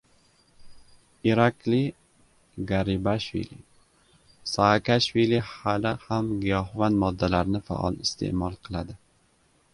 Irakli Garibashvili: "Saakashvili hali ham giyohvand moddalarni faol iste’mol qiladi"